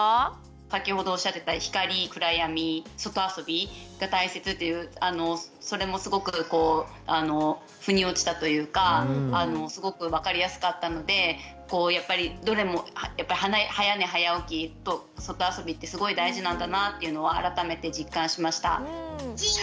先ほどおっしゃってた「光・暗闇・外遊び」が大切っていうそれもすごく腑に落ちたというかすごく分かりやすかったのでやっぱりどれも「早寝早起き」と「外遊び」ってすごい大事なんだなっていうのを改めて実感しました。